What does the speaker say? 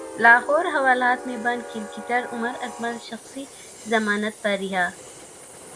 لاہور حوالات مں بند کرکٹر عمر اکمل شخصی ضمانت پر رہا